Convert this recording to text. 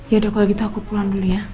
ya udah kalau gitu aku pulang dulu ya